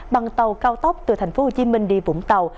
bằng tàu cao tốc từ tp hcm đi vũng tàu